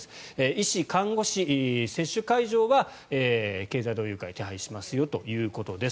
医師・看護師接種会場は経済同友会が手配しますよということです。